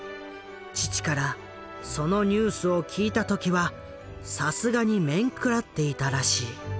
父からそのニュースを聞いた時はさすがにめんくらっていたらしい。